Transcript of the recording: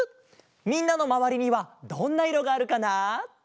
みんなのまわりにはどんないろがあるかな？